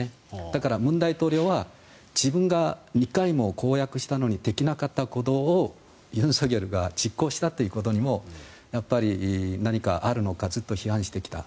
だから文大統領は自分が２回も公約したのにできなかったことを尹錫悦が実行したということにもやっぱり何かあるのかずっと批判してきた。